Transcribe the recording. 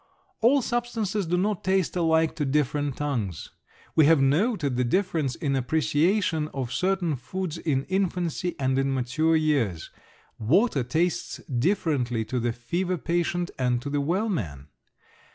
All substances do not taste alike to different tongues. We have noted the difference in appreciation of certain foods in infancy and in mature years. Water tastes differently to the fever patient and to the well man.